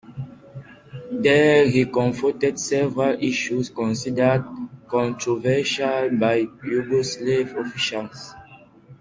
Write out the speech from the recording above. There he confronted several issues considered controversial by Yugoslav officials.